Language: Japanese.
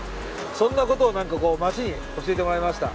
そんなことを何かこう街に教えてもらいました。